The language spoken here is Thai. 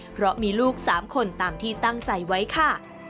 เพราะมีลูก๓คนตามที่ตั้งใจไว้ค่ะ